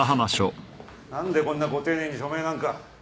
何でこんなご丁寧に署名なんか。